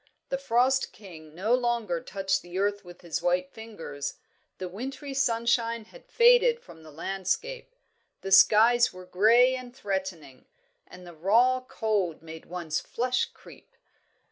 The Frost King no longer touched the earth with his white fingers; the wintry sunshine had faded from the landscape; the skies were grey and threatening, and the raw cold made one's flesh creep.